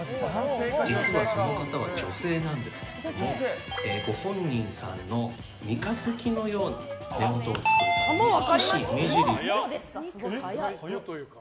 実はその方は女性なんですけどもご本人さんの三日月のような目元を作るために早い。